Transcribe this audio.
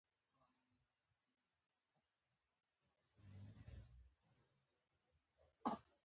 په بشر تاریخ کې ګڼ تمدنونه او حکومتونه تېر شوي.